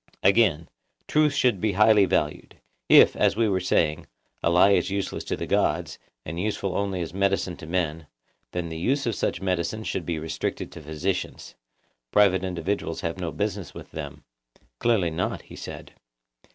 Again, truth should be highly valued; if, as we were saying, a lie is useless to the gods, and useful only as a medicine to men, then the use of such medicines should be restricted to physicians; private individuals have no business with them. Clearly not, he said.